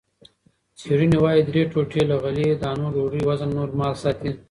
څېړنې وايي، درې ټوټې له غلې- دانو ډوډۍ وزن نورمال ساتي.